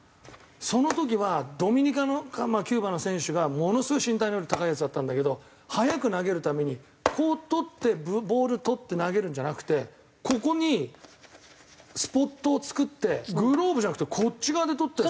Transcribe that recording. その時はドミニカかキューバの選手がものすごい身体能力高いヤツだったんだけど早く投げるためにこう捕ってボール捕って投げるんじゃなくてここにスポットを作ってグローブじゃなくてこっち側で捕って。